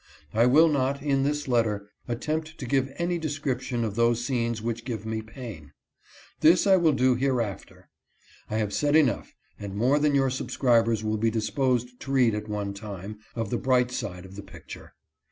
I will not, in this letter, attempt to give any description of those scenes which give me pain. This I will do hereafter. I have said enough, and more than your subscribers will be disposed to read at one time, of the bright side of the picture.